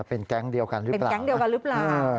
เป็นแก๊งเดียวกันรึเปล่า